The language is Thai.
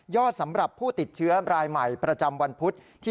สำหรับผู้ติดเชื้อรายใหม่ประจำวันพุธ